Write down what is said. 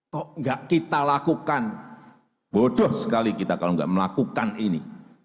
kok gak kita lakukan bodoh sekali kita kalau nggak melakukan ini